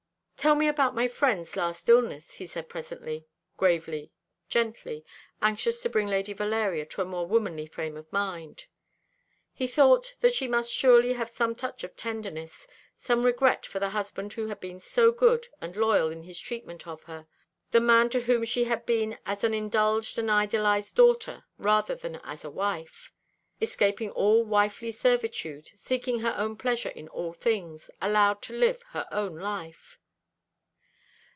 "Tell me about my friend's last illness," he said presently, gravely, gently, anxious to bring Lady Valeria to a more womanly frame of mind. He thought that she must surely have some touch of tenderness, some regret for the husband who had been so good and loyal in his treatment of her; the man to whom she had been as an indulged and idolised daughter rather than as a wife; escaping all wifely servitude, seeking her own pleasure in all things, allowed to live her own life.